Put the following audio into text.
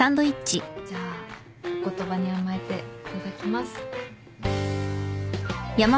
じゃあお言葉に甘えていただきます。